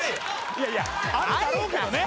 いやいやあるだろうけどね。